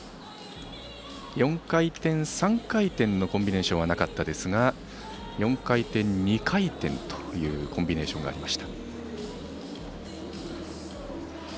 ４回転、３回転のコンビネーションはなかったですが４回転、２回転というコンビネーションがありました。